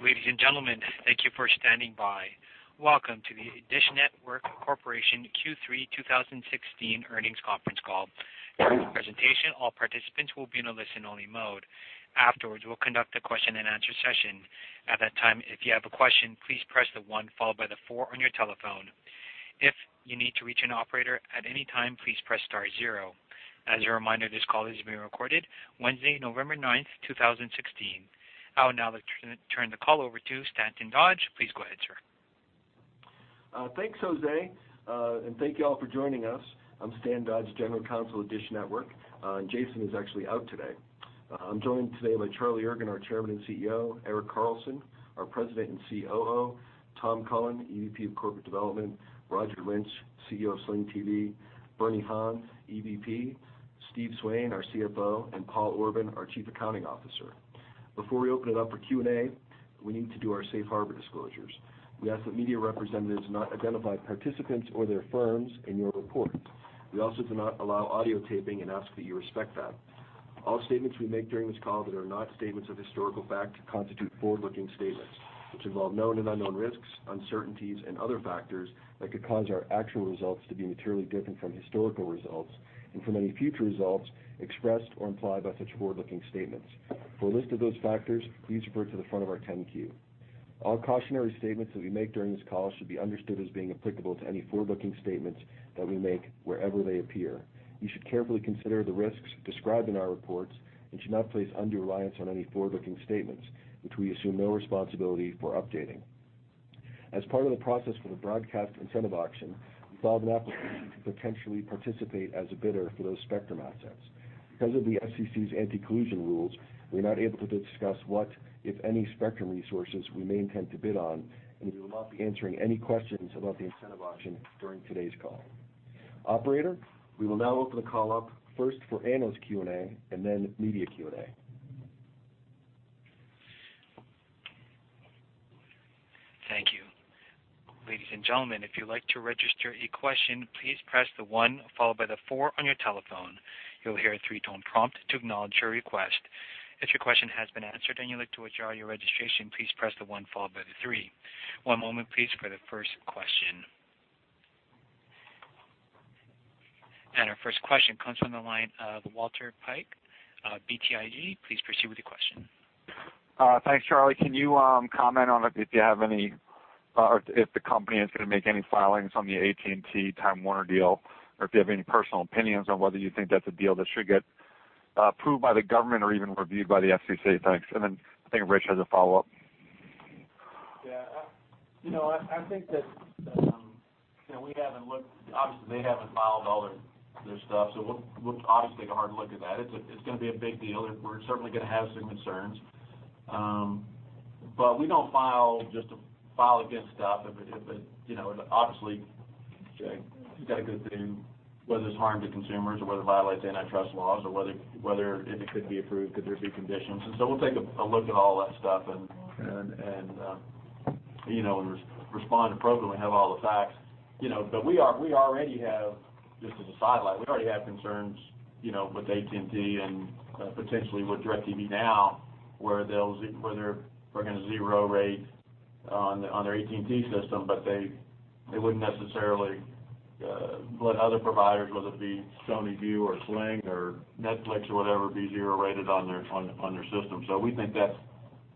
Ladies and gentlemen, thank you for standing by. Welcome to the DISH Network Corporation Q3 2016 Earnings Conference Call. During the presentation, all participants will be in a listen-only mode. Afterwards, we'll conduct a question-and-answer session. At that time, if you have a question, please press the one followed by the four on your telephone. If you need to reach an operator at any time, please press star zero. As a reminder, this call is being recorded Wednesday, November 9, 2016. I will now turn the call over to Stanton Dodge. Please go ahead, sir. Thanks, Jose. Thank you all for joining us. I'm Stanton Dodge, General Counsel at DISH Network. Jason is actually out today. I'm joined today by Charlie Ergen, our Chairman and CEO, Erik Carlson, our President and COO, Tom Cullen, EVP of Corporate Development, Roger Lynch, CEO of Sling TV, Bernard Han, EVP, Steven Swain, our CFO, and Paul W. Orban, our Chief Accounting Officer. Before we open it up for Q&A, we need to do our safe harbor disclosures. We ask that media representatives not identify participants or their firms in your report. We also do not allow audio taping and ask that you respect that. All statements we make during this call that are not statements of historical fact constitute forward-looking statements, which involve known and unknown risks, uncertainties and other factors that could cause our actual results to be materially different from historical results and from any future results expressed or implied by such forward-looking statements. For a list of those factors, please refer to the front of our 10-Q. All cautionary statements that we make during this call should be understood as being applicable to any forward-looking statements that we make wherever they appear. You should carefully consider the risks described in our reports and should not place undue reliance on any forward-looking statements, which we assume no responsibility for updating. As part of the process for the Broadcast Incentive Auction, we filed an application to potentially participate as a bidder for those spectrum assets. Because of the FCC's anti-collusion rules, we're not able to discuss what, if any, spectrum resources we may intend to bid on, and we will not be answering any questions about the incentive auction during today's call. Operator, we will now open the call up first for analysts Q&A and then media Q&A. Thank you. Ladies and gentlemen, if you'd like to register a question, please press the one followed by the four on your telephone. You'll hear a three-tone prompt to acknowledge your request. If your question has been answered, and you'd like to withdraw your registration, please press the one followed by the three. one moment, please, for the first question. Our first question comes from the line of Walter Piecyk, BTIG. Please proceed with your question. Thanks, Charlie. Can you comment on if you have any or if the company is gonna make any filings on the AT&T Time Warner deal, or if you have any personal opinions on whether you think that's a deal that should get approved by the government or even reviewed by the FCC? Thanks. I think Rich has a follow-up. Yeah. You know what? I think that, you know, we haven't looked. Obviously, they haven't filed all their stuff, so we'll obviously take a hard look at that. It's gonna be a big deal, and we're certainly gonna have some concerns. We don't file just to file against stuff if it, you know, obviously, you got a good thing, whether it's harm to consumers or whether it violates antitrust laws or whether if it could be approved, could there be conditions? We'll take a look at all that stuff and, you know, respond appropriately when we have all the facts. You know, we already have, just as a sidelight, we already have concerns, you know, with AT&T and potentially with DirecTV Now, where they're bringing zero rate on their AT&T system, but they wouldn't necessarily let other providers, whether it be PlayStation Vue or Sling or Netflix or whatever, be zero rated on their system. We think that's,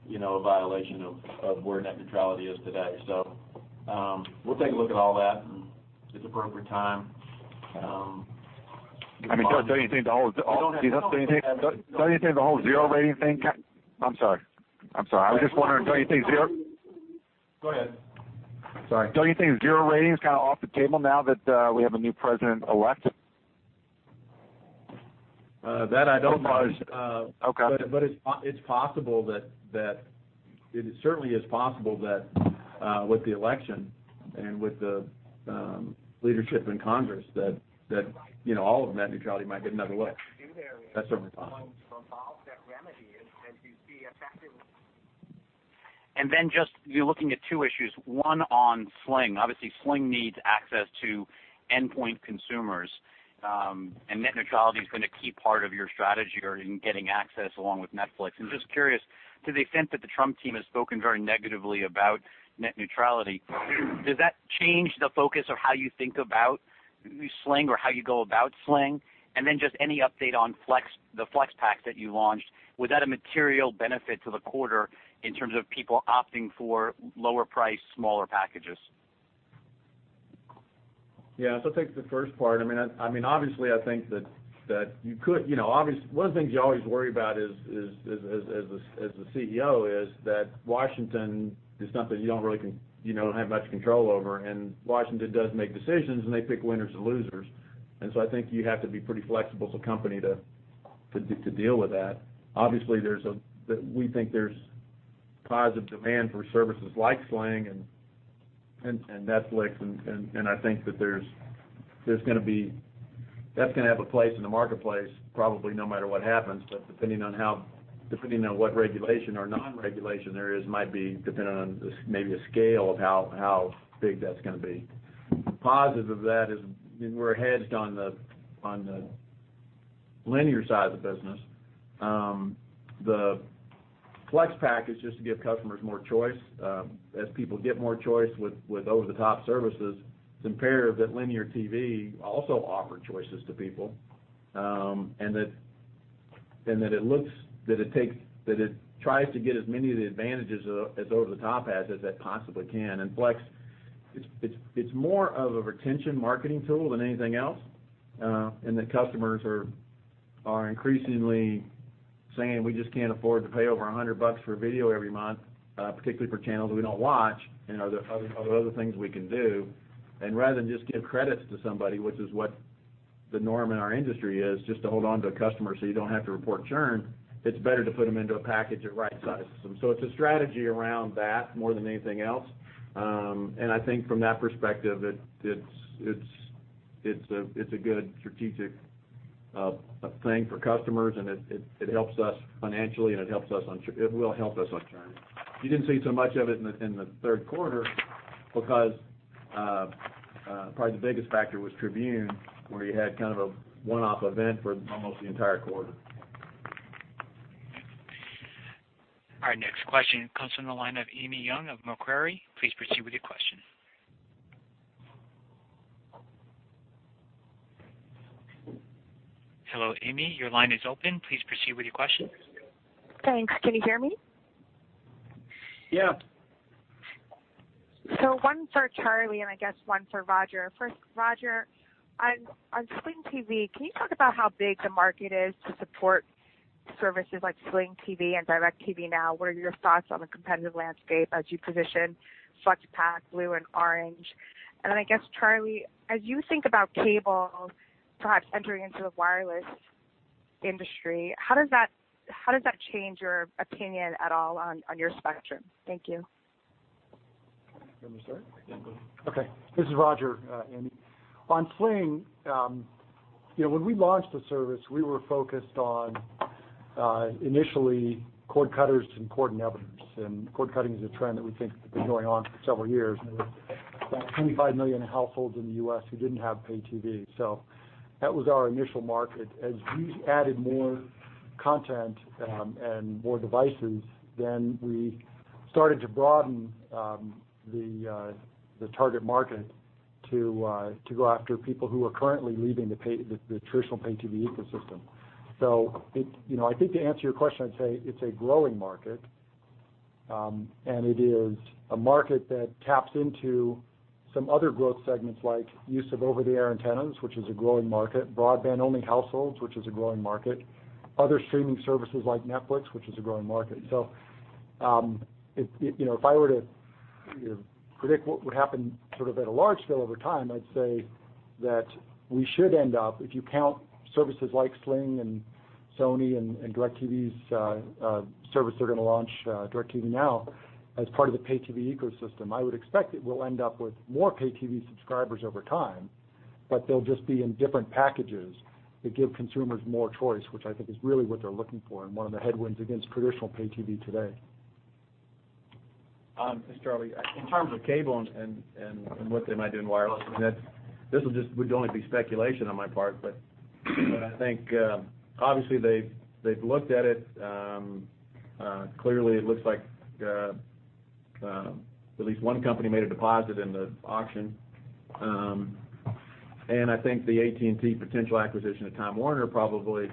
you know, a violation of where net neutrality is today. We'll take a look at all that in appropriate time. I mean, don't you think? We don't have- Don't you think the whole zero rating thing? I'm sorry. I was just wondering, don't you think? Go ahead. Sorry. Don't you think zero rating is kind of off the table now that, we have a new President-elect? That I don't know. Okay. It's possible that It certainly is possible that with the election and with the leadership in Congress that, you know, all of net neutrality might get another look. That's certainly possible. You're looking at two issues, one on Sling. Obviously, Sling needs access to endpoint consumers, and net neutrality is gonna key part of your strategy or in getting access along with Netflix. I'm just curious to the extent that the Trump team has spoken very negatively about net neutrality, does that change the focus of how you think about Sling or how you go about Sling? Any update on Flex, the Flex Packs that you launched, was that a material benefit to the quarter in terms of people opting for lower price, smaller packages? Yeah. I'll take the first part. I mean, I mean, obviously, I think that you know, one of the things you always worry about as a CEO is that Washington is something you don't really have much control over. Washington does make decisions, and they pick winners or losers. I think you have to be pretty flexible as a company to deal with that. Obviously, we think there's positive demand for services like Sling and Netflix, and I think that there's going to be That's going to have a place in the marketplace probably no matter what happens, depending on what regulation or non-regulation there is, might be dependent on the, maybe the scale of how big that's going to be. The positive of that is we're hedged on the linear side of the business, the Flex Pack is just to give customers more choice. As people get more choice with over-the-top services, it's imperative that linear TV also offer choices to people, and that it looks that it tries to get as many of the advantages as over-the-top has as it possibly can. Flex Pack, it's more of a retention marketing tool than anything else. The customers are increasingly saying, "We just can't afford to pay over $100 for video every month, particularly for channels we don't watch." You know, there are other things we can do. Rather than just give credits to somebody, which is what the norm in our industry is, just to hold on to a customer so you don't have to report churn, it's better to put them into a package that right-sizes them. It's a strategy around that more than anything else. I think from that perspective, it's a good strategic thing for customers, and it helps us financially and it will help us on churn. You didn't see so much of it in the third quarter because probably the biggest factor was Tribune, where you had kind of a one-off event for almost the entire quarter. Our next question comes from the line of Amy Yong of Macquarie. Please proceed with your question. Hello, Amy, your line is open. Please proceed with your question. Thanks. Can you hear me? Yeah. One for Charlie, and I guess one for Roger. First, Roger, on Sling TV, can you talk about how big the market is to support services like Sling TV and DirecTV Now? What are your thoughts on the competitive landscape as you position Flex Pack, Blue and Orange? I guess, Charlie, as you think about cable perhaps entering into the wireless industry, how does that change your opinion at all on your spectrum? Thank you. You want me to start? Yeah, go ahead. Okay. This is Roger, Amy. On Sling TV, you know, when we launched the service, we were focused on initially cord cutters and cord nevers. Cord cutting is a trend that we think has been going on for several years. There were about 25 million households in the U.S. who didn't have pay TV. That was our initial market. As we added more content and more devices, we started to broaden the target market to go after people who are currently leaving the pay, the traditional pay TV ecosystem. You know, I think to answer your question, I'd say it's a growing market, and it is a market that taps into some other growth segments like use of over-the-air antennas, which is a growing market, broadband-only households, which is a growing market, other streaming services like Netflix, which is a growing market. You know, if I were to predict what would happen sort of at a large scale over time, I'd say that we should end up, if you count services like Sling and Sony and DirecTV's service they're gonna launch DirecTV Now, as part of the pay TV ecosystem, I would expect it will end up with more pay TV subscribers over time, but they'll just be in different packages that give consumers more choice, which I think is really what they're looking for and one of the headwinds against traditional pay TV today. This is Charlie. In terms of cable and what they might do in wireless, I mean, this would only be speculation on my part. I think, obviously they've looked at it. Clearly it looks like at least one company made a deposit in the auction. I think the AT&T potential acquisition of Time Warner probably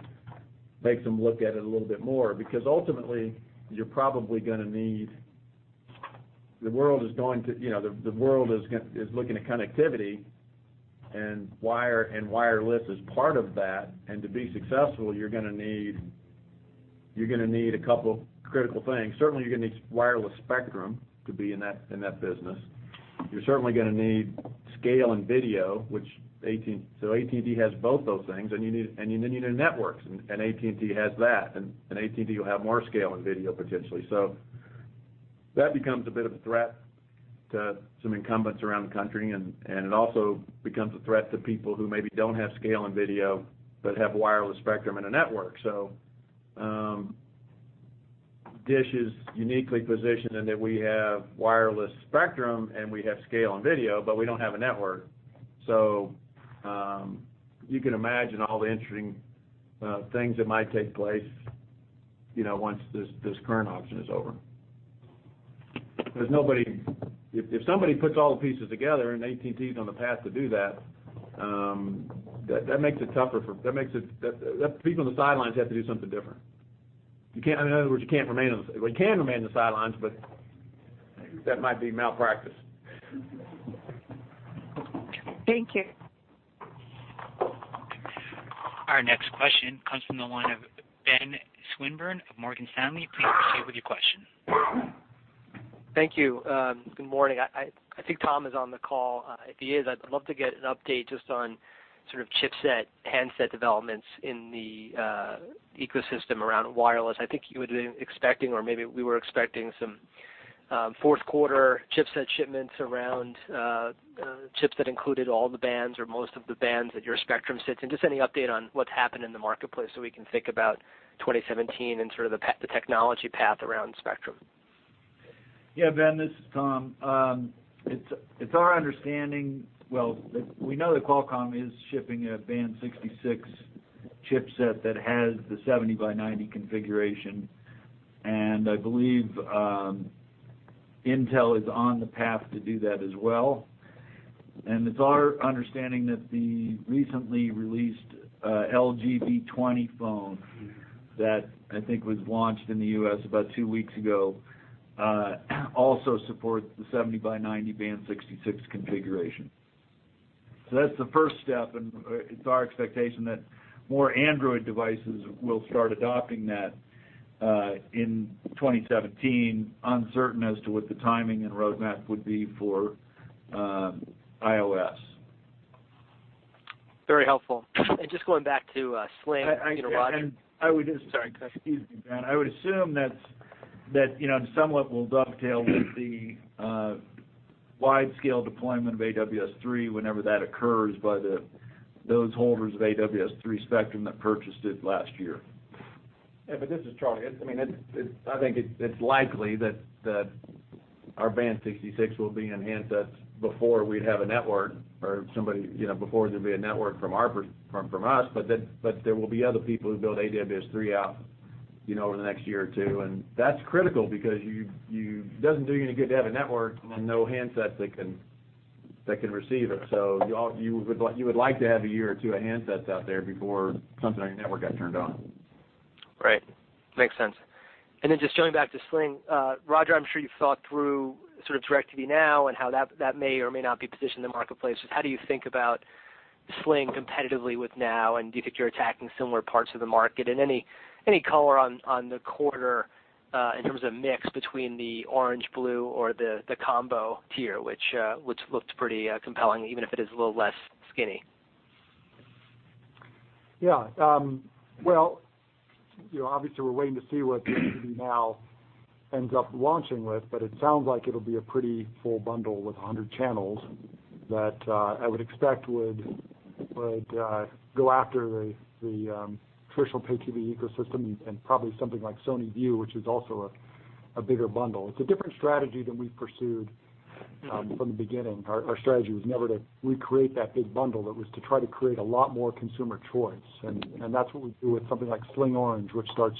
makes them look at it a little bit more because ultimately the world is going to, you know, the world is looking at connectivity and wireless is part of that. To be successful, you're gonna need a couple critical things. Certainly, you're gonna need wireless spectrum to be in that business. You're certainly gonna need scale and video, which AT&T has both those things, and then you need networks, and AT&T has that. AT&T will have more scale and video potentially. That becomes a bit of a threat to some incumbents around the country, and it also becomes a threat to people who maybe don't have scale and video, but have wireless spectrum and a network. DISH is uniquely positioned in that we have wireless spectrum and we have scale and video, but we don't have a network. You can imagine all the interesting things that might take place, you know, once this current auction is over. There's nobody If somebody puts all the pieces together, and AT&T is on the path to do that People on the sidelines have to do something different. You can't, I mean, in other words, you can't remain well, you can remain on the sidelines, but that might be malpractice. Thank you. Our next question comes from the line of Ben Swinburne of Morgan Stanley. Please proceed with your question. Thank you. Good morning. I think Tom is on the call. If he is, I'd love to get an update just on sort of chipset, handset developments in the ecosystem around wireless. I think you would have been expecting, or maybe we were expecting some fourth quarter chipset shipments around chips that included all the bands or most of the bands that your spectrum sits in. Just any update on what's happened in the marketplace, so we can think about 2017 and sort of the technology path around spectrum. Ben, this is Tom. We know that Qualcomm is shipping a Band 66 chipset that has the 70 by 90 configuration, and I believe Intel is on the path to do that as well. It's our understanding that the recently released LG V20 phone that I think was launched in the U.S. about two weeks ago also supports the 70 by 90 Band 66 configuration. That's the first step, and it's our expectation that more Android devices will start adopting that in 2017. Uncertain as to what the timing and roadmap would be for iOS. Very helpful. Just going back to Sling, you know. And I would just- Sorry. Excuse me, Ben. I would assume that, you know, somewhat will dovetail with the wide scale deployment of AWS-3 whenever that occurs by those holders of AWS-3 spectrum that purchased it last year. Yeah, this is Charlie. It's, I mean, I think it's likely that our Band 66 will be in handsets before we'd have a network or somebody, you know, before there'd be a network from us. There will be other people who build AWS3 out, you know, over the next year or two, and that's critical because it doesn't do you any good to have a network and then no handsets that can receive it. Y'all, you would like to have a year or two of handsets out there before something on your network got turned on. Right. Makes sense. Just jumping back to Sling. Roger, I'm sure you've thought through sort of DirecTV Now and how that may or may not be positioned in the marketplace. Just how do you think about Sling competitively with Now? Do you think you're attacking similar parts of the market? Any color on the quarter in terms of mix between the Orange, Blue or the combo tier, which looks pretty compelling, even if it is a little less skinny? Yeah. Well, you know, obviously we're waiting to see what DirecTV Now ends up launching with, but it sounds like it'll be a pretty full bundle with 100 channels that I would expect would go after the traditional pay TV ecosystem and probably something like PlayStation Vue, which is also a bigger bundle. It's a different strategy than we pursued from the beginning. Our strategy was never to recreate that big bundle. It was to try to create a lot more consumer choice. That's what we do with something like Sling Orange, which starts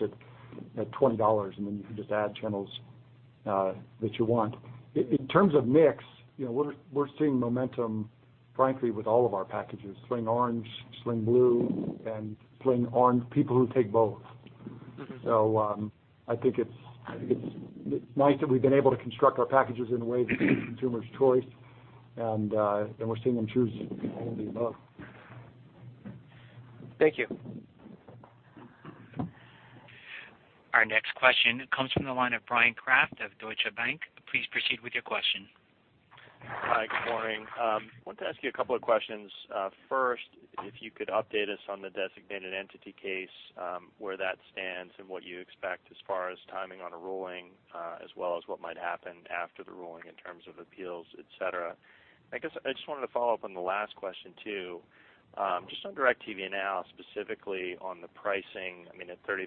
at $20, and then you can just add channels that you want. In terms of mix, you know, we're seeing momentum, frankly, with all of our packages, Sling Orange, Sling Blue, and Sling Orange, people who take both. I think it's nice that we've been able to construct our packages in a way that gives consumers choice and we're seeing them choose all of the above. Thank you. Our next question comes from the line of Bryan Kraft of Deutsche Bank. Please proceed with your question. Hi. Good morning. Wanted to ask you a couple of questions. First, if you could update us on the designated entity case, where that stands and what you expect as far as timing on a ruling, as well as what might happen after the ruling in terms of appeals, et cetera. I guess I just wanted to follow up on the last question too. Just on DirecTV Now, specifically on the pricing, I mean, at $35,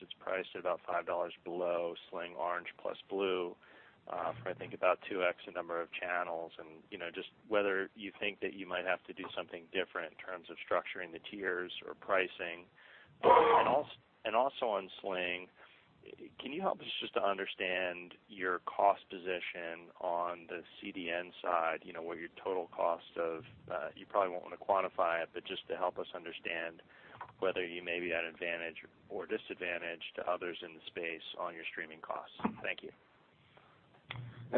it's priced at about $5 below Sling Orange plus Blue, for I think about 2x the number of channels. You know, just whether you think that you might have to do something different in terms of structuring the tiers or pricing. Also on Sling, can you help us just to understand your cost position on the CDN side? You know, what your total cost of, you probably won't want to quantify it, but just to help us understand whether you may be at advantage or disadvantage to others in the space on your streaming costs. Thank you.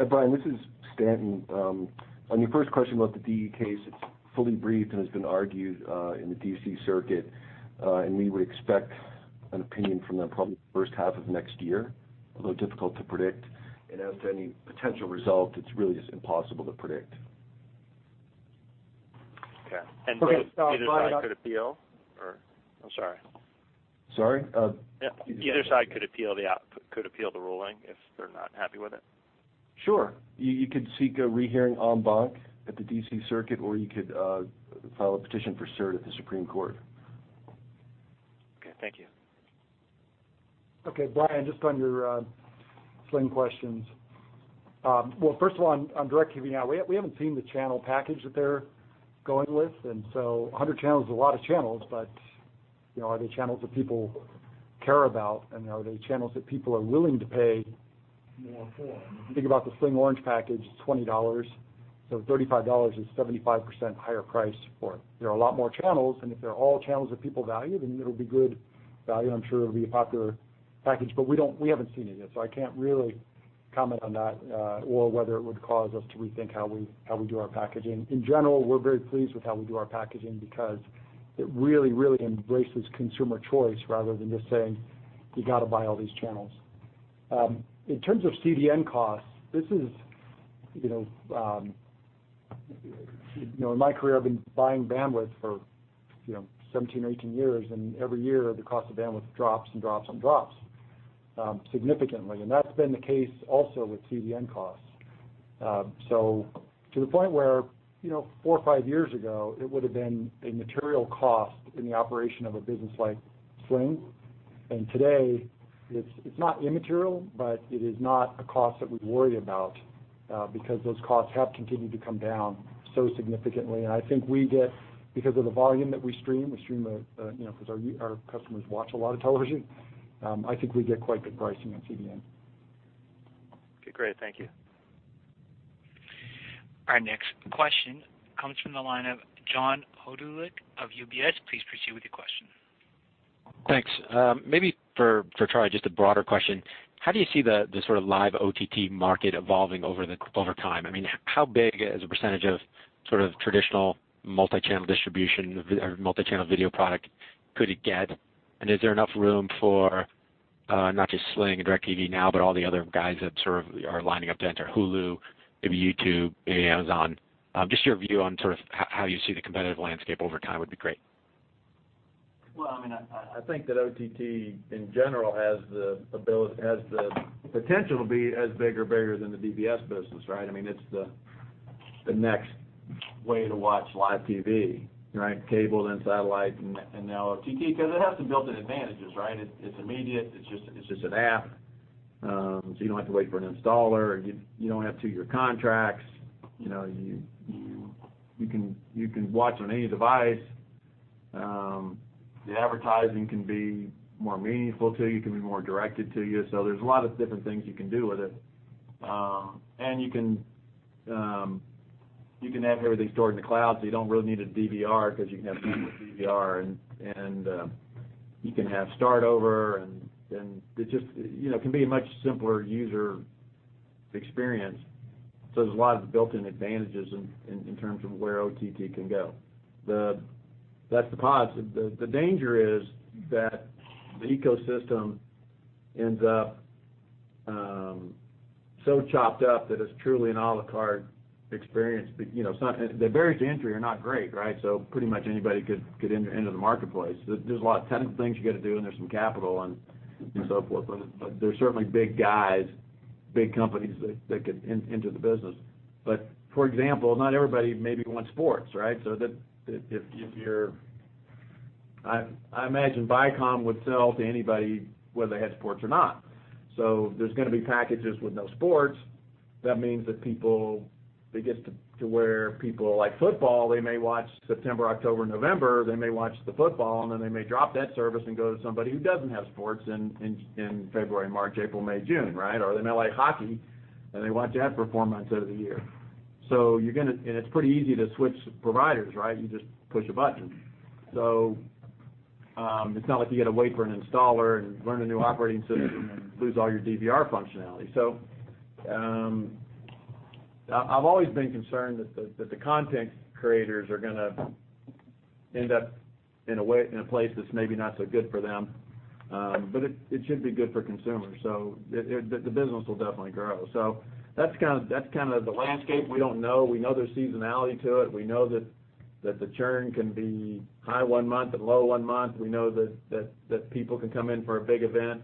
Bryan, this is Stanton. On your first question about the DE case, it's fully briefed and has been argued in the D.C. Circuit. We would expect an opinion from them probably the first half of next year, although difficult to predict. As to any potential result, it's really just impossible to predict. Okay. Either side could appeal. Sorry? Either side could appeal the ruling if they're not happy with it? Sure. You could seek a rehearing en banc at the D.C. Circuit, or you could file a petition for cert at the Supreme Court. Okay. Thank you. Okay, Brian, just on your Sling questions. Well, first of all, on DirecTV Now, we haven't seen the channel package that they're going with. 100 channels is a lot of channels, but, you know, are they channels that people care about? Are they channels that people are willing to pay more for? If you think about the Sling Orange package, it's $20. $35 is 75% higher price for it. There are a lot more channels, and if they're all channels that people value, then it'll be good value, and I'm sure it'll be a popular package. We haven't seen it yet, so I can't really comment on that, or whether it would cause us to rethink how we do our packaging. In general, we're very pleased with how we do our packaging because it really embraces consumer choice rather than just saying, "You gotta buy all these channels." In terms of CDN costs, this is, you know, you know, in my career, I've been buying bandwidth for, you know, 17 or 18 years, and every year, the cost of bandwidth drops significantly. That's been the case also with CDN costs. To the point where, you know, four or five years ago, it would have been a material cost in the operation of a business like Sling. Today, it's not immaterial, but it is not a cost that we worry about because those costs have continued to come down so significantly. I think we get because of the volume that we stream, you know, 'cause our customers watch a lot of television, I think we get quite good pricing on CDN. Okay, great. Thank you. Our next question comes from the line of John Hodulik of UBS. Please proceed with your question. Thanks. Maybe for Charlie, just a broader question. How do you see the sort of live OTT market evolving over time? I mean, how big as a percentage of sort of traditional multichannel distribution or multichannel video product could it get? Is there enough room for not just Sling and DirecTV Now, but all the other guys that sort of are lining up to enter Hulu, maybe YouTube, maybe Amazon? Just your view on sort of how you see the competitive landscape over time would be great. Well, I mean, I think that OTT in general has the potential to be as big or bigger than the DBS business, right? I mean, it's the next way to watch live TV, right? Cable, then satellite, and now OTT because it has some built-in advantages, right? It's immediate. It's just an app. You don't have to wait for an installer. You don't have two-year contracts. You know, you can watch on any device. The advertising can be more meaningful to you, can be more directed to you. There's a lot of different things you can do with it. You can, you can have everything stored in the cloud, so you don't really need a DVR because you can have a built-in DVR and, you can have start over and it just, you know, can be a much simpler user experience. There's a lot of built-in advantages in terms of where OTT can go. That's the positive. The danger is that the ecosystem ends up so chopped up that it's truly an a la carte experience. You know, it's not the barriers to entry are not great, right? Pretty much anybody could get into the marketplace. There's a lot of technical things you gotta do, and there's some capital and so forth. There's certainly big guys, big companies that could enter the business. For example, not everybody maybe wants sports, right? That if I imagine Viacom would sell to anybody, whether they had sports or not. There's gonna be packages with no sports. That means that it gets to where people like football, they may watch September, October, November, they may watch the football, and then they may drop that service and go to somebody who doesn't have sports in February, March, April, May, June, right? They may like hockey, and they watch that for four months out of the year. It's pretty easy to switch providers, right? You just push a button. It's not like you gotta wait for an installer and learn a new operating system and lose all your DVR functionality. I've always been concerned that the content creators are gonna end up in a place that's maybe not so good for them. It should be good for consumers. The business will definitely grow. That's kind of the landscape. We don't know. We know there's seasonality to it. We know that the churn can be high one month and low one month. We know that people can come in for a big event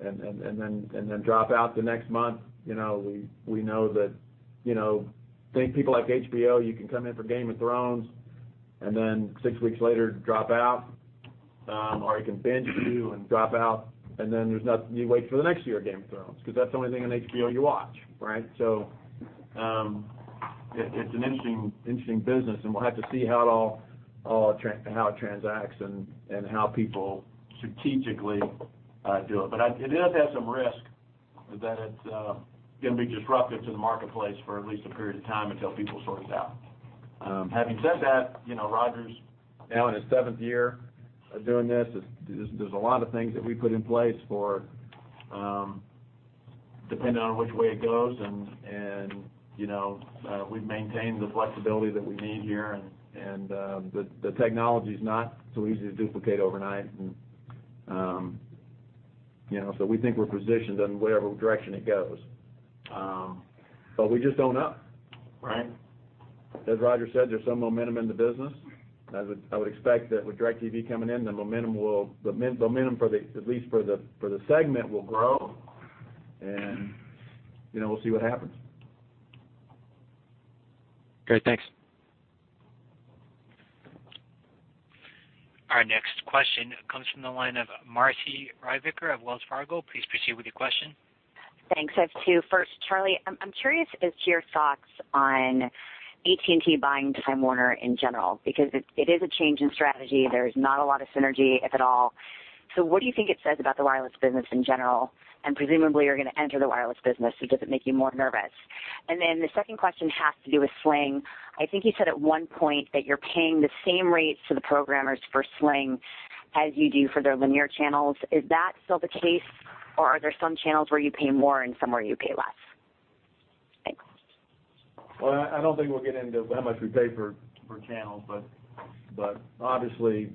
and then drop out the next month. You know, we know that, you know, think people like HBO, you can come in for Game of Thrones and then six weeks later drop out or you can binge view and drop out. You wait for the next year of Game of Thrones because that's the only thing on HBO you watch, right? It's an interesting business, and we'll have to see how it all how it transacts and how people strategically do it. It does have some risk that it's gonna be disruptive to the marketplace for at least a period of time until people sort it out. Having said that, you know, Roger.s now in its seventh year of doing this, there's a lot of things that we put in place for depending on which way it goes. You know, we've maintained the flexibility that we need here and the technology's not so easy to duplicate overnight. We think we're positioned in whatever direction it goes. We just don't know, right? As Roger said, there's some momentum in the business. I would expect that with DirecTV coming in, the momentum for the, at least for the, for the segment will grow, you know, we'll see what happens. Okay, thanks. Our next question comes from the line of Marci Ryvicker of Wells Fargo. Please proceed with your question. Thanks. I have two. First, Charlie, I'm curious as to your thoughts on AT&T buying Time Warner in general, because it is a change in strategy. There's not a lot of synergy, if at all. What do you think it says about the wireless business in general? Presumably, you're gonna enter the wireless business, does it make you more nervous? The second question has to do with Sling. I think you said at one point that you're paying the same rates to the programmers for Sling as you do for their linear channels. Is that still the case, or are there some channels where you pay more and some where you pay less? Thanks. Well, I don't think we'll get into how much we pay for channels, but obviously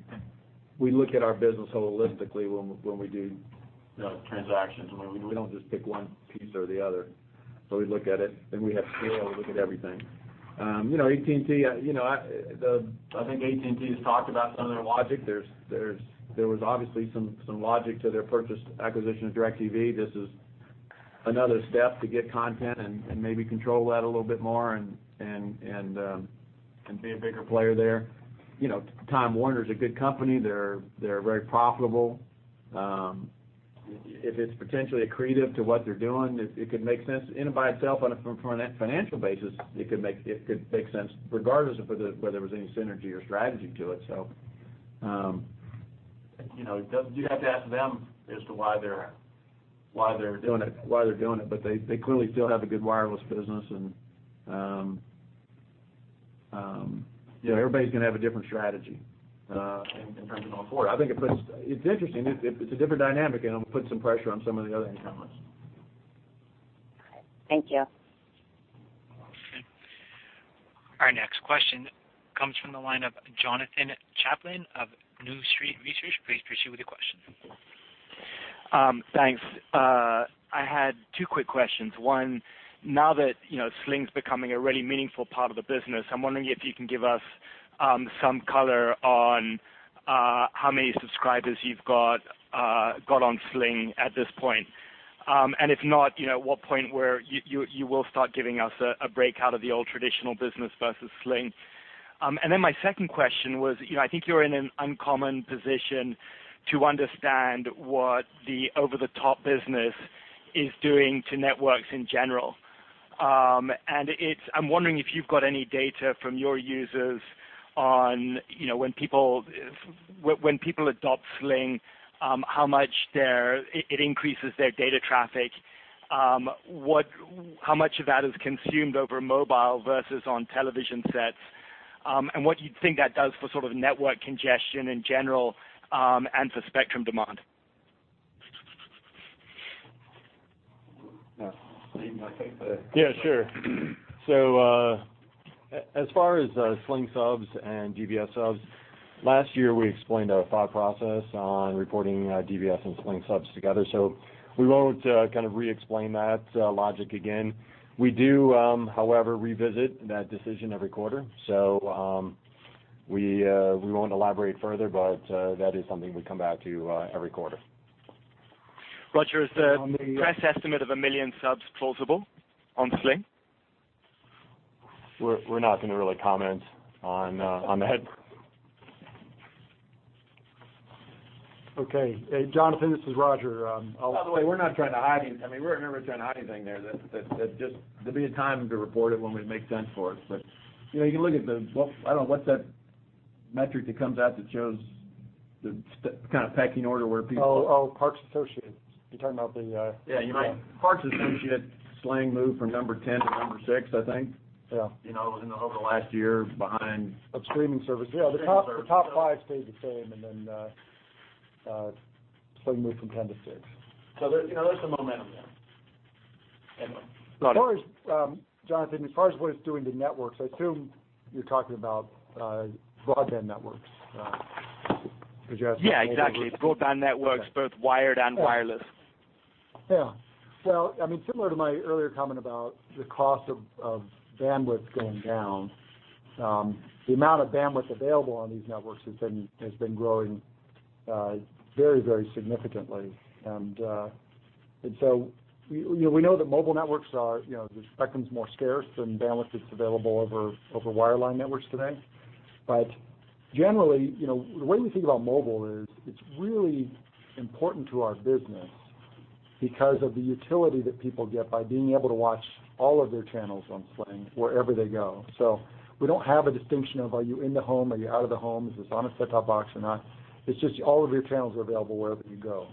we look at our business holistically when we do, you know, transactions and when we don't just pick one piece or the other. We look at it, and we have scale to look at everything. You know, AT&T, you know, I think AT&T has talked about some of their logic. There was obviously some logic to their purchase acquisition of DirecTV. This is another step to get content and maybe control that a little bit more and be a bigger player there. You know, Time Warner is a good company. They're very profitable. If it's potentially accretive to what they're doing, it could make sense. In and by itself on a financial basis, it could make sense regardless of whether there was any synergy or strategy to it. You know, you'd have to ask them as to why they're doing it, but they clearly still have a good wireless business and, you know, everybody's gonna have a different strategy in terms of going forward. I think it's interesting. It's a different dynamic, and it'll put some pressure on some of the other incumbents. Thank you. Our next question comes from the line of Jonathan Chaplin of New Street Research. Please proceed with your question. Thanks. I had two quick questions. One, now that, you know, Sling's becoming a really meaningful part of the business, I'm wondering if you can give us some color on how many subscribers you've got on Sling at this point. If not, you know, at what point where you will start giving us a breakout of the old traditional business versus Sling. My second question was, you know, I think you're in an uncommon position to understand what the over-the-top business is doing to networks in general. I'm wondering if you've got any data from your users on, you know, when people adopt Sling, how much their it increases their data traffic, how much of that is consumed over mobile versus on television sets, and what you think that does for sort of network congestion in general, and for spectrum demand? Yeah. Steven, Yeah, sure. As far as Sling subs and DISH subs, last year we explained our thought process on reporting DISH and Sling subs together. We won't kind of re-explain that logic again. We do, however, revisit that decision every quarter. We won't elaborate further, but that is something we come back to every quarter. Roger, is? On the- press estimate of 1 million subs plausible on Sling? We're not gonna really comment on the head. Okay. Jonathan, this is Roger. By the way, we're not trying to hide any I mean, we're never trying to hide anything there. That, just there'll be a time to report it when we make sense for it. You know, you can look at the What, I don't know, what's that metric that comes out that shows the kind of pecking order where people- Oh, Parks Associates. You're talking about the, Yeah, you're right. Yeah. Parks Associates, Sling moved from number 10 to number six, I think. Yeah. You know, over the last year. Of streaming service. Yeah. Streaming service. Yeah. The top five stayed the same, and then, Sling moved from 10 to six. There, you know, there's some momentum there. Anyway. As far as, Jonathan, as far as what it's doing to networks, I assume you're talking about broadband networks, because you're asking about networks. Yeah, exactly. Broadband networks, both wired and wireless. Well, I mean, similar to my earlier comment about the cost of bandwidth going down, the amount of bandwidth available on these networks has been growing very significantly. We, you know, we know that mobile networks are, you know, the spectrum's more scarce than bandwidth that's available over wireline networks today. Generally, you know, the way we think about mobile is it's really important to our business because of the utility that people get by being able to watch all of their channels on Sling wherever they go. We don't have a distinction of, are you in the home? Are you out of the home? Is this on a set-top box or not? It's just all of your channels are available wherever you go.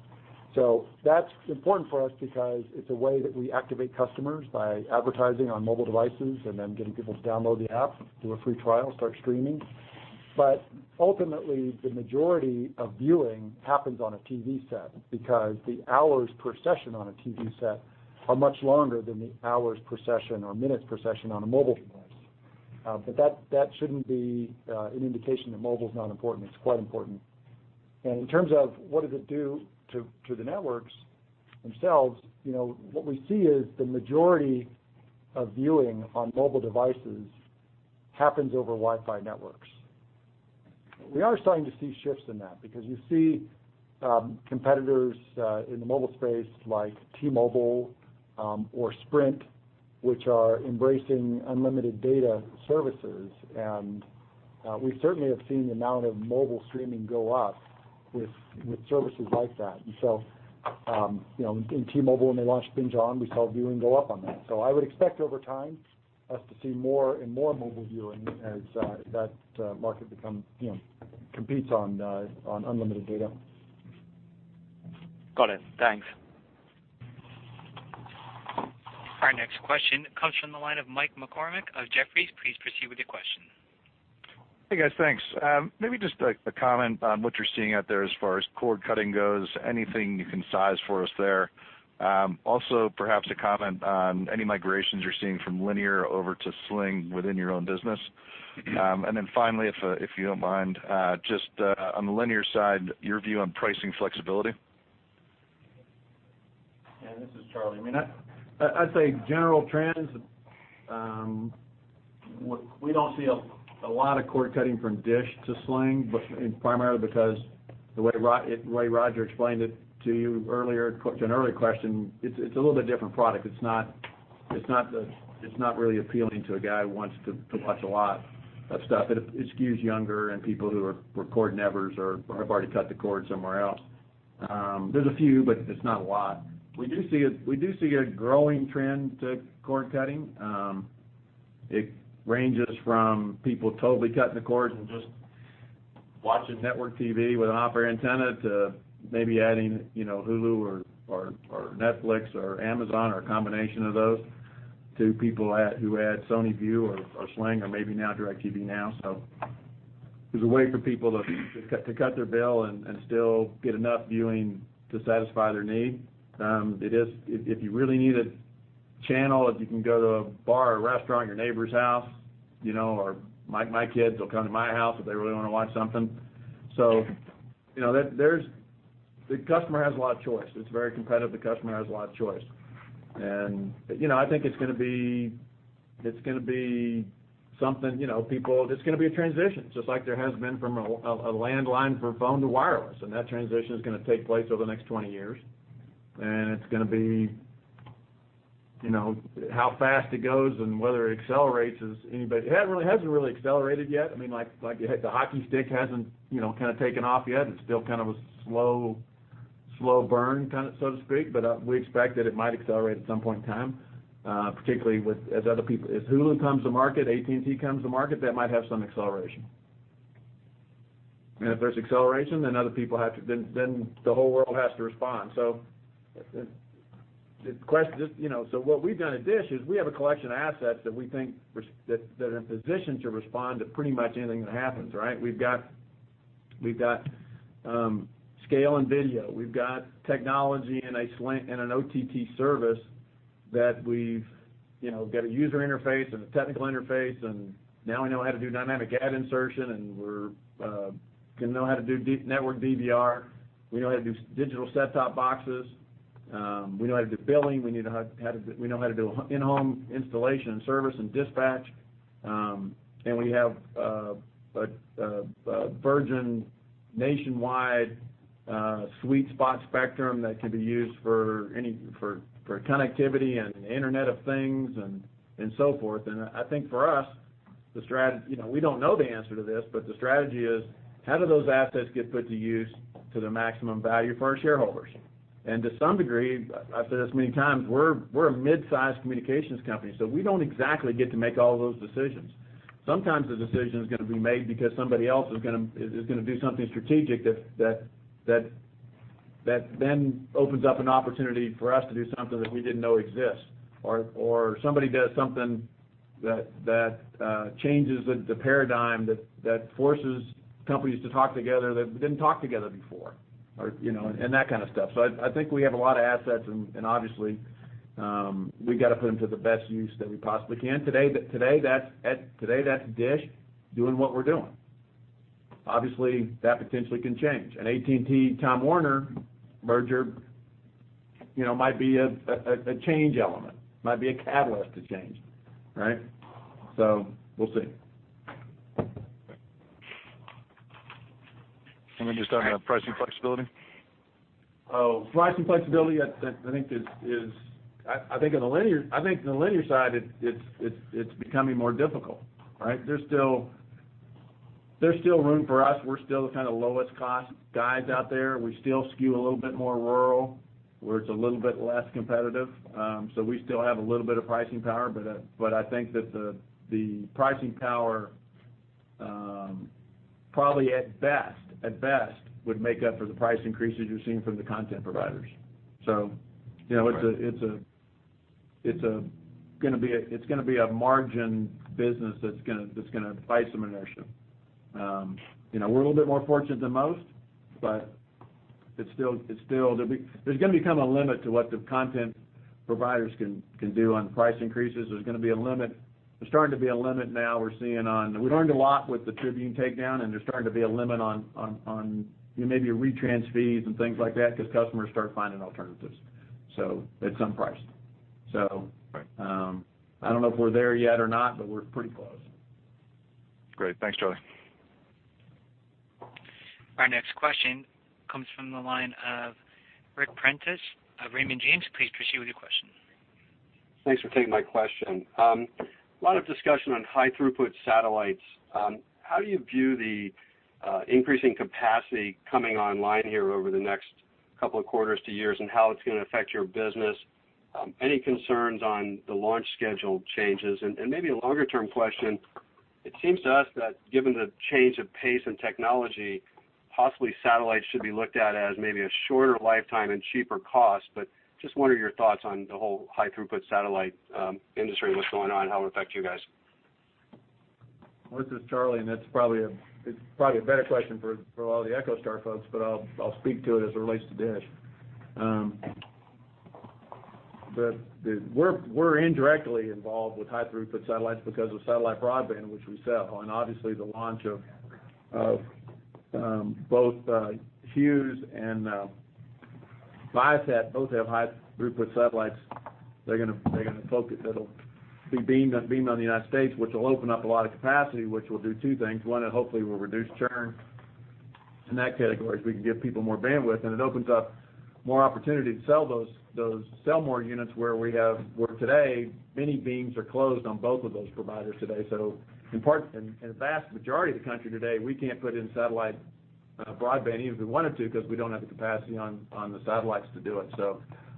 That's important for us because it's a way that we activate customers by advertising on mobile devices and then getting people to download the app, do a free trial, start streaming. Ultimately, the majority of viewing happens on a TV set because the hours per session on a TV set are much longer than the hours per session or minutes per session on a mobile device. That shouldn't be an indication that mobile's not important. It's quite important. In terms of what does it do to the networks themselves, you know, what we see is the majority of viewing on mobile devices happens over Wi-Fi networks. We are starting to see shifts in that because you see competitors in the mobile space like T-Mobile or Sprint, which are embracing unlimited data services. We certainly have seen the amount of mobile streaming go up with services like that. In T-Mobile when they launched Binge On, we saw viewing go up on that. I would expect over time us to see more and more mobile viewing as that market become competes on unlimited data. Got it. Thanks. Our next question comes from the line of Mike McCormack of Jefferies. Please proceed with your question. Hey, guys. Thanks. Maybe just a comment on what you're seeing out there as far as cord cutting goes. Anything you can size for us there. Also perhaps a comment on any migrations you're seeing from linear over to Sling within your own business. Finally, if you don't mind, just on the linear side, your view on pricing flexibility. This is Charlie. I mean, I'd say general trends, we don't see a lot of cord cutting from DISH to Sling. Primarily because the way Roger explained it to you earlier, to an earlier question, it's a little bit different product. It's not really appealing to a guy who wants to watch a lot of stuff. It skews younger and people who are cord nevers or have already cut the cord somewhere else. There's a few, but it's not a lot. We do see a growing trend to cord cutting. It ranges from people totally cutting the cord and just watching network TV with an off-air antenna to maybe adding, you know, Hulu or Netflix or Amazon or a combination of those, to people who had PlayStation Vue or Sling or maybe now DirecTV Now. There's a way for people to cut their bill and still get enough viewing to satisfy their need. If you really need a channel, if you can go to a bar or restaurant, your neighbor's house, you know, or my kids will come to my house if they really wanna watch something. You know, the customer has a lot of choice. It's very competitive. The customer has a lot of choice. You know, I think it's going to be something, you know, it's going to be a transition, just like there has been from a landline for phone to wireless, and that transition is going to take place over the next 20 years. It's going to be, you know, how fast it goes and whether it accelerates is anybody. It hasn't really accelerated yet. I mean, like the hockey stick hasn't, you know, kind of taken off yet. It's still kind of a slow burn kind of, so to speak. We expect that it might accelerate at some point in time, particularly as other people. If Hulu comes to market, AT&T comes to market, that might have some acceleration. If there's acceleration, then other people have to then the whole world has to respond. Just, you know, so what we've done at DISH is we have a collection of assets that we think are positioned to respond to pretty much anything that happens, right? We've got scale and video. We've got technology and a Sling and an OTT service that we've, you know, got a user interface and a technical interface, and now we know how to do dynamic ad insertion, and we're gonna know how to do network DVR. We know how to do digital set-top boxes. We know how to do billing. We know how to do in-home installation and service and dispatch. We have virgin nationwide sweet spot spectrum that can be used for connectivity and Internet of Things and so forth. I think for us, you know, we don't know the answer to this, but the strategy is how do those assets get put to use to their maximum value for our shareholders? To some degree, I've said this many times, we're a midsize communications company, so we don't exactly get to make all those decisions. Sometimes the decision is gonna be made because somebody else is gonna do something strategic that then opens up an opportunity for us to do something that we didn't know exists. Somebody does something that changes the paradigm that forces companies to talk together that didn't talk together before or, you know, and that kind of stuff. I think we have a lot of assets and obviously, we gotta put them to the best use that we possibly can. Today, that's DISH doing what we're doing. Obviously, that potentially can change. An AT&T, Time Warner merger, you know, might be a change element, might be a catalyst to change, right? We'll see. Can we just talk about pricing flexibility? Oh, pricing flexibility, I think is I think on the linear side, it's becoming more difficult, right? There's still room for us. We're still the kinda lowest cost guys out there. We still skew a little bit more rural, where it's a little bit less competitive. We still have a little bit of pricing power, but I think that the pricing power at best, would make up for the price increases you're seeing from the content providers. You know. Right it's gonna be a margin business that's gonna fight some inertia. you know, we're a little bit more fortunate than most, but it's still There's gonna become a limit to what the content providers can do on price increases. There's gonna be a limit. There's starting to be a limit now we're seeing on We learned a lot with the Tribune takedown, and there's starting to be a limit on, you know, maybe retrans fees and things like that because customers start finding alternatives, so at some price. Right I don't know if we're there yet or not, but we're pretty close. Great. Thanks, Charlie. Our next question comes from the line of Ric Prentiss of Raymond James. Please proceed with your question. Thanks for taking my question. A lot of discussion on high throughput satellites. How do you view the increasing capacity coming online here over the next couple of quarters to years and how it's gonna affect your business? Any concerns on the launch schedule changes? Maybe a longer-term question: It seems to us that given the change of pace in technology, possibly satellites should be looked at as maybe a shorter lifetime and cheaper cost. Just wonder your thoughts on the whole high throughput satellite industry and what's going on, how it'll affect you guys? This is Charlie, it's probably a better question for a lot of the EchoStar folks, but I'll speak to it as it relates to DISH. We're indirectly involved with high throughput satellites because of satellite broadband, which we sell. Obviously, the launch of both Hughes and Viasat both have high throughput satellites. They're gonna focus. It'll be beamed on the United States, which will open up a lot of capacity, which will do 2 things. One, it hopefully will reduce churn in that category as we can give people more bandwidth, and it opens up more opportunity to sell those sell more units where today many beams are closed on both of those providers today. In part, in a vast majority of the country today, we can't put in satellite broadband even if we wanted to because we don't have the capacity on the satellites to do it.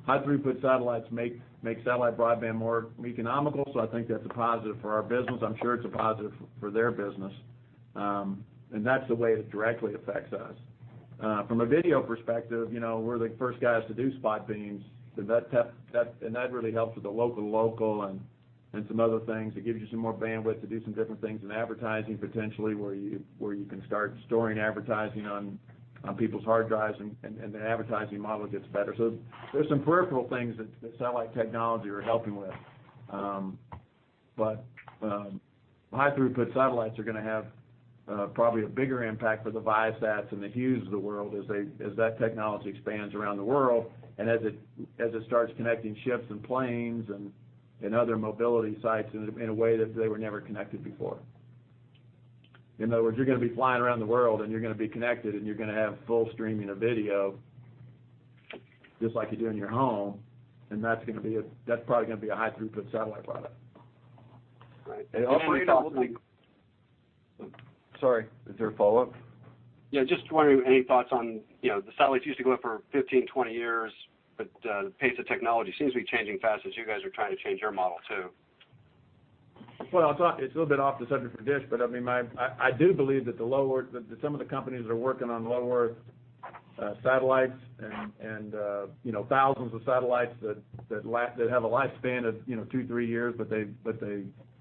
High throughput satellites make satellite broadband more economical, so I think that's a positive for our business. I'm sure it's a positive for their business. That's the way it directly affects us. From a video perspective, you know, we're the first guys to do spot beams. That really helps with the local and some other things. It gives you some more bandwidth to do some different things in advertising potentially, where you can start storing advertising on people's hard drives and the advertising model gets better. There's some peripheral things that satellite technology are helping with. High throughput satellites are gonna have probably a bigger impact for the Viasats and the Hughes of the world as that technology expands around the world and as it starts connecting ships and planes and other mobility sites in a way that they were never connected before. In other words, you're gonna be flying around the world, and you're gonna be connected, and you're gonna have full streaming of video just like you do in your home, and that's probably gonna be a high throughput satellite product. Right. Just wondering if you have any Sorry, is there a follow-up? Yeah, just wondering any thoughts on, you know, the satellites used to go up for 15, 20 years, but the pace of technology seems to be changing fast as you guys are trying to change your model too. Well, it's a little bit off the subject for DISH, but I mean, I do believe that the low Earth, that some of the companies that are working on low Earth satellites and, you know, thousands of satellites that have a lifespan of, you know, two, three years, but they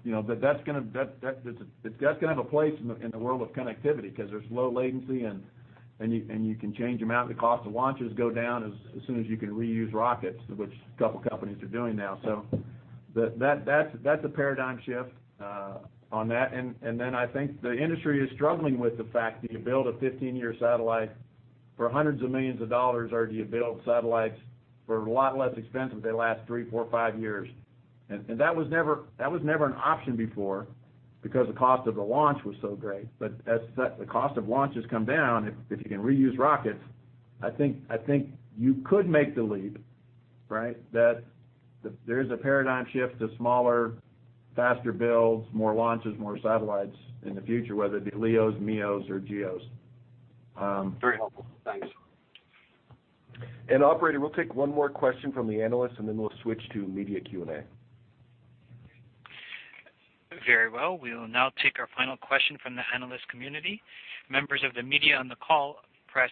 You know, but that's gonna have a place in the world of connectivity because there's low latency and you can change them out. The cost of launches go down as soon as you can reuse rockets, which two companies are doing now. That's a paradigm shift on that. I think the industry is struggling with the fact that you build a 15-year satellite for hundreds of millions of dollars, or do you build satellites for a lot less expensive that last three, four, five years. That was never an option before because the cost of the launch was so great. As the cost of launch has come down, if you can reuse rockets, I think you could make the leap, right? That there's a paradigm shift to smaller, faster builds, more launches, more satellites in the future, whether it be LEO, MEO, or GEO. Very helpful. Thanks. Operator, we'll take one more question from the analyst, and then we'll switch to media Q&A. Very well. We will now take our final question from the analyst community. Members of the media on the call, press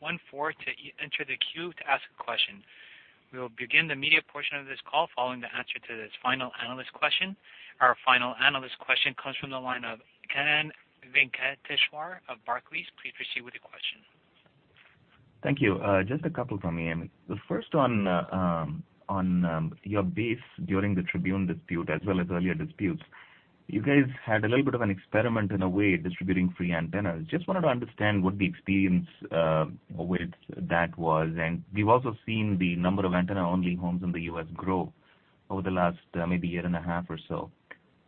one four to enter the queue to ask a question. We will begin the media portion of this call following the answer to this final analyst question. Our final analyst question comes from the line of Kannan Venkateshwar of Barclays. Please proceed with your question. Thank you. Just a couple from me. The first on your base during the Tribune dispute as well as earlier disputes. You guys had a little bit of an experiment in a way distributing free antennas. Just wanted to understand what the experience with that was. We've also seen the number of antenna only homes in the U.S. grow over the last maybe year and a half or so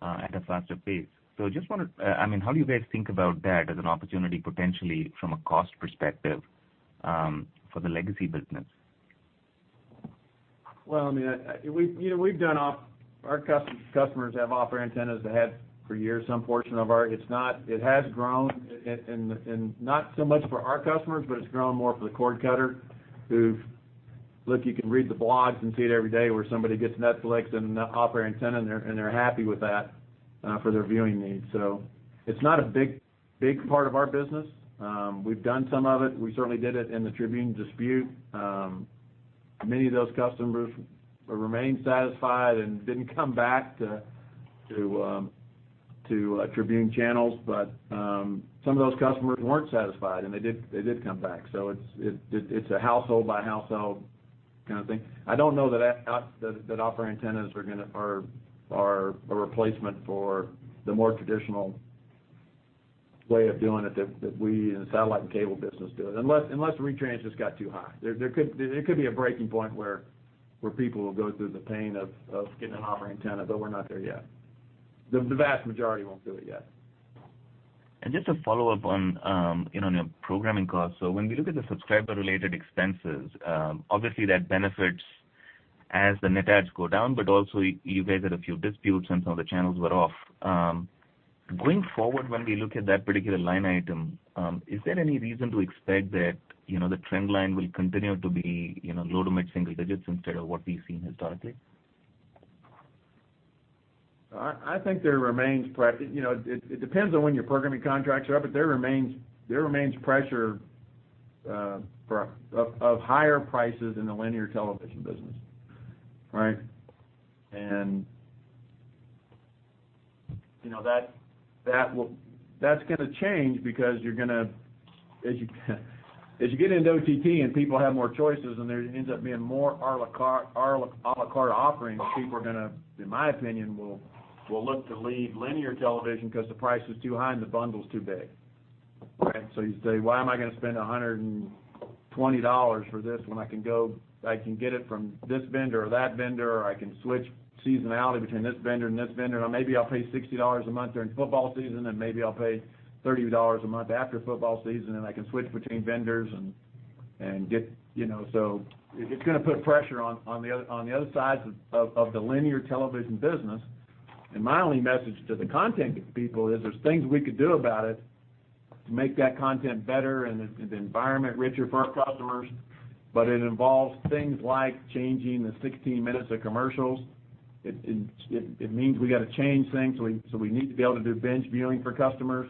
at a faster pace. I mean, how do you guys think about that as an opportunity potentially from a cost perspective for the legacy business? We've done our customers have off-air antennas ahead for years, some portion of our. It has grown and not so much for our customers, but it's grown more for the cord cutter who've. You can read the blogs and see it every day where somebody gets Netflix and an off-air antenna, and they're happy with that for their viewing needs. It's not a big part of our business. We've done some of it. We certainly did it in the Tribune dispute. Many of those customers remain satisfied and didn't come back to Tribune channels. Some of those customers weren't satisfied, and they did come back. It's a household by household kind of thing. I don't know that off-air antennas are a replacement for the more traditional way of doing it that we in the satellite and cable business do it. Unless the retrans just got too high. There could be a breaking point where people will go through the pain of getting an off-air antenna, but we're not there yet. The vast majority won't do it yet. Just a follow-up on, you know, on your programming costs. When we look at the subscriber related expenses, obviously that benefits as the net adds go down, but also you guys had a few disputes and some of the channels were off. Going forward, when we look at that particular line item, is there any reason to expect that, you know, the trend line will continue to be, you know, low to mid single digits instead of what we've seen historically? I think You know, it depends on when your programming contracts are up, but there remains pressure of higher prices in the linear television business, right? You know, that's gonna change because you're gonna As you get into OTT and people have more choices, and there ends up being more a la carte offerings, people are gonna, in my opinion, will look to leave linear television 'cause the price is too high and the bundle's too big, right? You say, "Why am I gonna spend $120 for this when I can get it from this vendor or that vendor, or I can switch seasonality between this vendor and this vendor? Maybe I'll pay $60 a month during football season, and maybe I'll pay $30 a month after football season, and I can switch between vendors and get. You know, it's gonna put pressure on the other sides of the linear television business. My only message to the content people is there's things we could do about it to make that content better and the environment richer for our customers, but it involves things like changing the 16 minutes of commercials. It means we gotta change things, so we need to be able to do binge viewing for customers.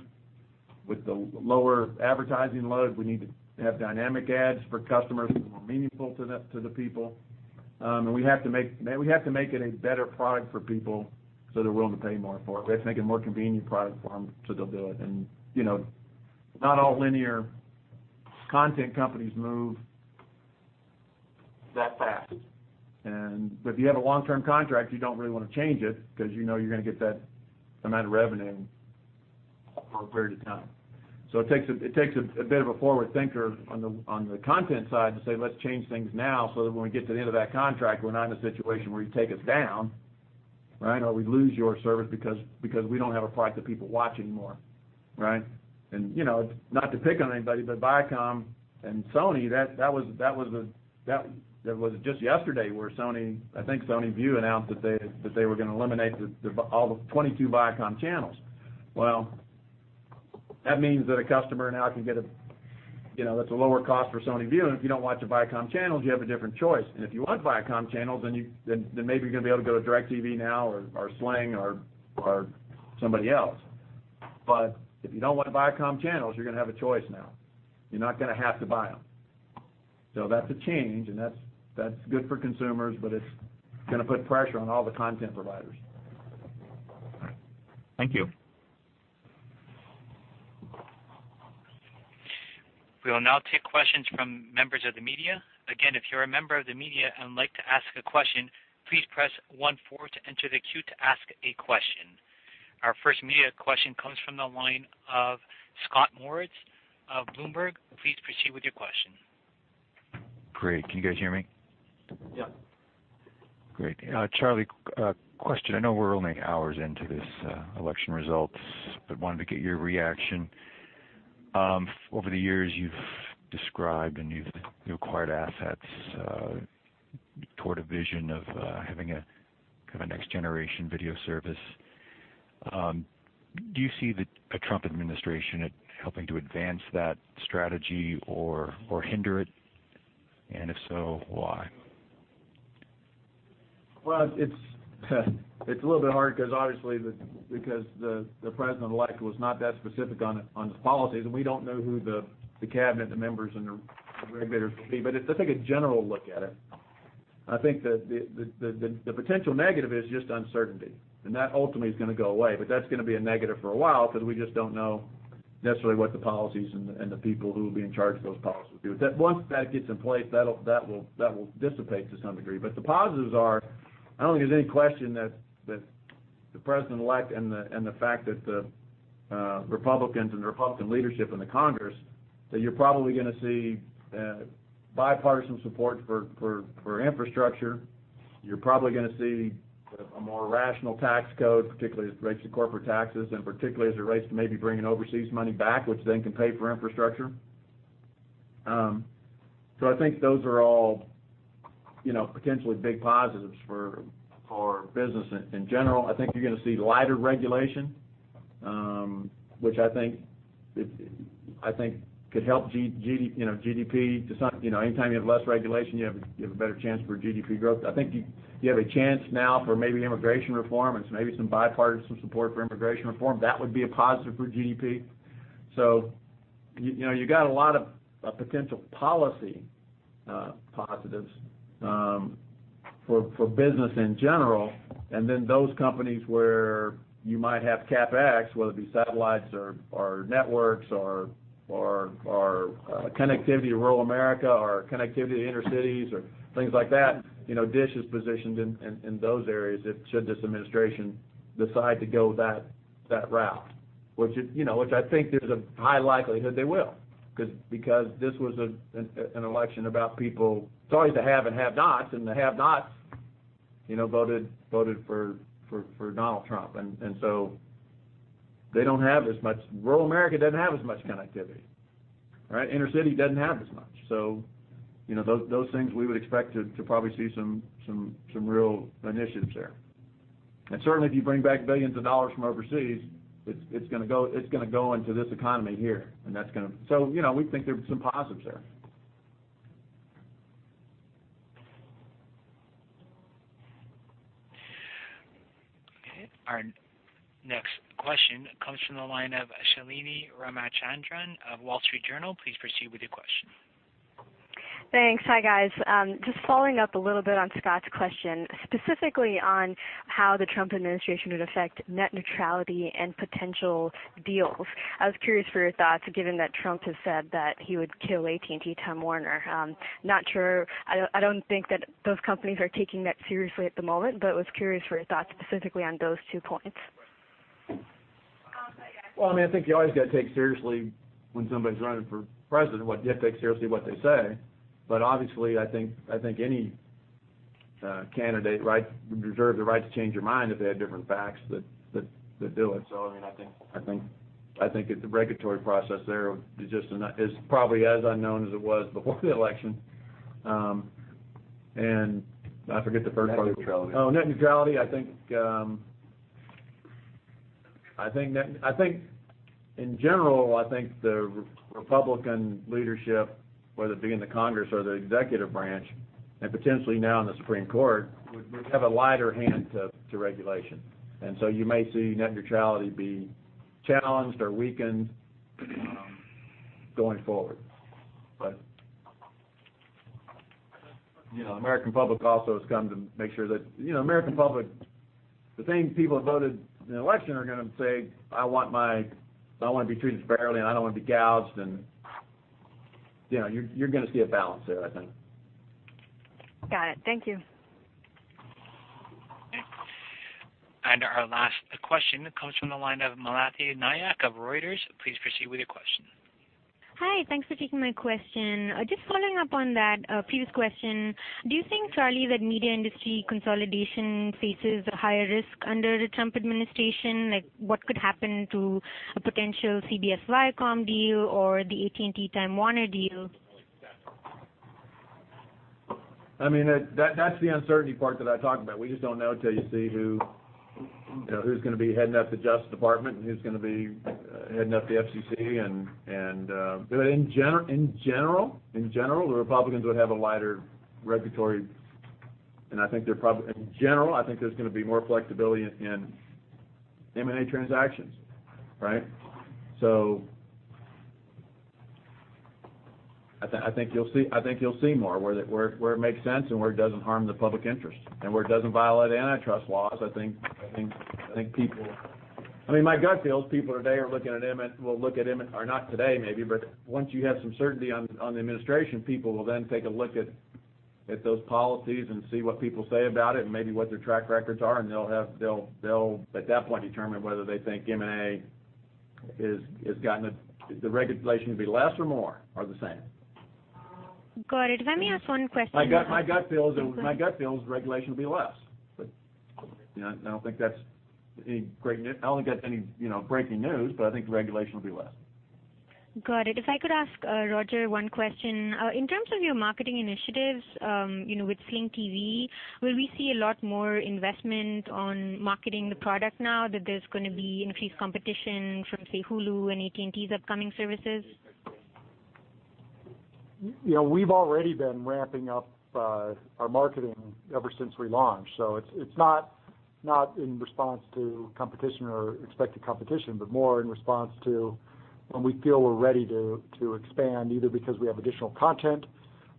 With the lower advertising load, we need to have dynamic ads for customers that are more meaningful to the people. We have to make it a better product for people so they're willing to pay more for it. We have to make a more convenient product for them so they'll do it. You know, not all linear content companies move that fast. If you have a long-term contract, you don't really wanna change it, 'cause you know you're gonna get that amount of revenue for a period of time. So it takes a bit of a forward thinker on the, on the content side to say, "Let's change things now so that when we get to the end of that contract, we're not in a situation where you take us down, right? Or we lose your service because we don't have a product that people watch anymore," right? You know, not to pick on anybody, but Viacom and Sony, it was just yesterday where Sony, I think PlayStation Vue announced that they, that they were gonna eliminate all the 22 Viacom channels. That means that a customer now can get a, you know, it's a lower cost for PlayStation Vue, and if you don't want the Viacom channels, you have a different choice. If you want Viacom channels, then you maybe you're gonna be able to go to DirecTV Now or Sling or somebody else. If you don't want Viacom channels, you're gonna have a choice now. You're not gonna have to buy them. That's a change, and that's good for consumers, but it's gonna put pressure on all the content providers. Thank you. We will now take questions from members of the media. Again, if you're a member of the media and would like to ask a question, please press one four to enter the queue to ask a question. Our first media question comes from the line of Scott Moritz of Bloomberg. Please proceed with your question. Great. Can you guys hear me? Yeah. Great. Charlie, a question. I know we're only hours into this, election results, but wanted to get your reaction. Over the years, you've described and you've acquired assets, toward a vision of, having a, kind of a next generation video service. Do you see a Trump administration helping to advance that strategy or hinder it? If so, why? Well, it's a little bit hard because obviously because the President-Elect was not that specific on his policies, and we don't know who the cabinet members and the regulators will be. If I take a general look at it, I think that the potential negative is just uncertainty, and that ultimately is gonna go away. That's gonna be a negative for a while because we just don't know necessarily what the policies and the people who will be in charge of those policies will do. Once that gets in place, that will dissipate to some degree. The positives are, I don't think there's any question that the President-Elect and the, and the fact that the Republicans and the Republican leadership in the Congress, that you're probably gonna see bipartisan support for infrastructure. You're probably gonna see a more rational tax code, particularly as it relates to corporate taxes and particularly as it relates to maybe bringing overseas money back, which then can pay for infrastructure. I think those are all, you know, potentially big positives for business in general. I think you're gonna see lighter regulation, which I think could help GDP. You know, anytime you have less regulation, you have a better chance for GDP growth. I think you have a chance now for maybe immigration reform and maybe some bipartisan support for immigration reform. That would be a positive for GDP. You know, you got a lot of potential policy positives for business in general. Those companies where you might have CapEx, whether it be satellites or networks or connectivity to rural America or connectivity to inner cities or things like that, you know, DISH is positioned in those areas if should this administration decide to go that route, which is, you know, which I think there's a high likelihood they will because this was an election about people. It's always the haves and have-nots, and the have-nots, you know, voted for Donald Trump. Rural America doesn't have as much connectivity, right? Inner city doesn't have as much. you know, those things we would expect to probably see some real initiatives there. certainly, if you bring back billions of dollars from overseas, it's gonna go into this economy here. you know, we think there's some positives there. Okay. Our next question comes from the line of Shalini Ramachandran of The Wall Street Journal. Please proceed with your question. Thanks. Hi, guys. Just following up a little bit on Scott's question, specifically on how the Trump administration would affect net neutrality and potential deals. I was curious for your thoughts, given that Trump has said that he would kill AT&T Time Warner. I don't think that those companies are taking that seriously at the moment, but was curious for your thoughts specifically on those two points. Well, I mean, I think you always gotta take seriously when somebody's running for president, you have to take seriously what they say. Obviously, I think any candidate, right, would reserve the right to change their mind if they had different facts that do it. I mean, I think that the regulatory process there is just as is probably as unknown as it was before the election. I forget the first part of. Net neutrality. Net neutrality, I think, I think in general, I think the Republican leadership, whether it be in the Congress or the executive branch, and potentially now in the Supreme Court, would have a lighter hand to regulation. You may see net neutrality be challenged or weakened going forward. You know, American public also has come to make sure that, you know, American public, the same people that voted in the election are going to say, "I want to be treated fairly, and I don't want to be gouged," and, you know, you are going to see a balance there, I think. Got it. Thank you. Thanks. Our last question comes from the line of Malathi Nayak of Reuters. Please proceed with your question. Hi. Thanks for taking my question. Just following up on that previous question, do you think, Charlie, that media industry consolidation faces a higher risk under the Trump administration? Like, what could happen to a potential CBS Viacom deal or the AT&T Time Warner deal? I mean, that's the uncertainty part that I talked about. We just don't know till you see who, you know, who's gonna be heading up the Justice Department and who's gonna be heading up the FCC. In general, the Republicans would have a lighter regulatory, and In general, I think there's gonna be more flexibility in M&A transactions, right? I think you'll see more where it makes sense and where it doesn't harm the public interest and where it doesn't violate antitrust laws. I think people I mean, my gut feels people today are looking at M&A, will look at M&A, or not today maybe, but once you have some certainty on the administration, people will then take a look at those policies and see what people say about it and maybe what their track records are, and they'll at that point determine whether they think M&A is. The regulation will be less or more or the same. Got it. Let me ask one question. My gut. Okay. My gut feels regulation will be less. You know, I don't think that's any, you know, breaking news, but I think regulation will be less. Got it. If I could ask Roger one question. In terms of your marketing initiatives, you know, with Sling TV, will we see a lot more investment on marketing the product now that there's gonna be increased competition from, say, Hulu and AT&T's upcoming services? You know, we've already been ramping up our marketing ever since we launched. It's not in response to competition or expected competition, but more in response to when we feel we're ready to expand, either because we have additional content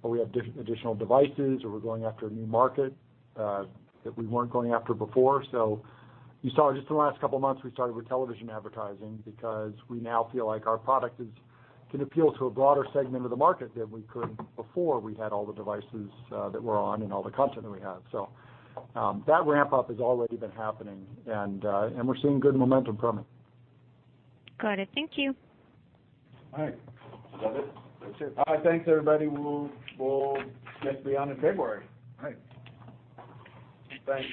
or we have additional devices or we're going after a new market that we weren't going after before. You saw just in the last couple of months, we started with television advertising because we now feel like our product is, can appeal to a broader segment of the market than we could before we had all the devices that we're on and all the content that we have. That ramp-up has already been happening, and we're seeing good momentum from it. Got it. Thank you. All right. Is that it? That's it. All right, thanks, everybody. We'll get beyond in February. All right. Thanks. Thanks.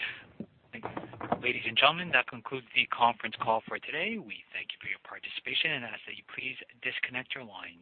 Ladies and gentlemen, that concludes the conference call for today. We thank you for your participation and ask that you please disconnect your lines.